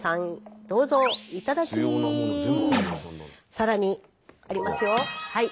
更にありますよ。